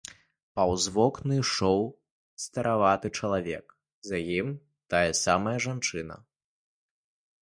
Паўз вокны ішоў стараваты чалавек, за ім тая самая жанчына.